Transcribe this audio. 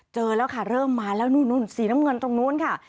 เจอแล้วค่ะเริ่มมาแล้วนู่นสีน้ำเงินตรงนู้นค่ะ